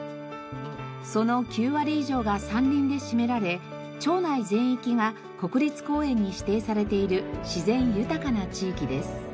その９割以上が山林で占められ町内全域が国立公園に指定されている自然豊かな地域です。